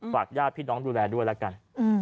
ฝากญาติพี่น้องดูแลด้วยแล้วกัน